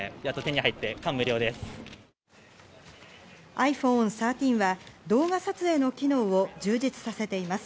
ｉＰｈｏｎｅ１３は動画撮影の機能を充実させています。